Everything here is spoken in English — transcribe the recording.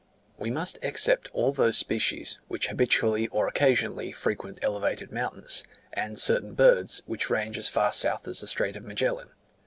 We must except all those species, which habitually or occasionally frequent elevated mountains; and certain birds, which range as far south as the Strait of Magellan.